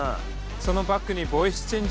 そのバッグにボイスチェン